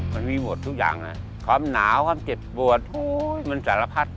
มันมีหมดทุกอย่างเลยความหนาวความเจ็บปวดมันสารพัด